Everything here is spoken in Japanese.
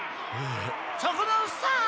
・そこのおっさん！